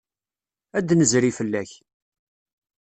Ad d-nezri fell-ak.